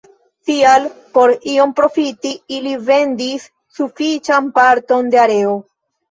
Tial por iom profiti ili vendis sufiĉan parton de areo.